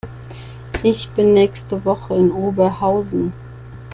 Ich bin nächste Woche in Oberhausen